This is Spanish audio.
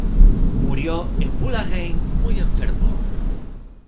Murió en Bourg-la-Reine muy enfermo.